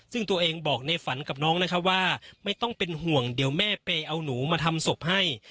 ซึ่งตัวเองบอกในฝันกับน้องนะคะว่าไม่ต้องเป็นห่วงเดี๋ยวแม่ไปเอาหนูมาทำศพให้